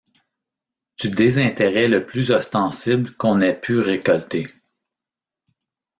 Du désintérêt le plus ostensible qu’on ait pu récolter.